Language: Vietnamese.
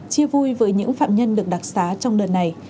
chia vui với những phạm nhân được đặc xá trong đợt này